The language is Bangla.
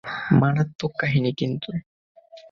মারাত্মক কাহিনি কিন্তু!